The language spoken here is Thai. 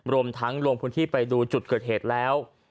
รวมทั้งลงพื้นที่ไปดูจุดเกิดเหตุแล้ว